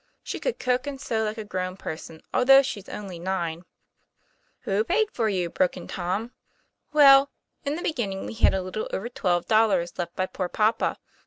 She could cook and sew like a grown person, although she's only nine." Who paid for you ?' broke in Tom. Well, in the beginning we had a little over twelve dollars left by poor papa.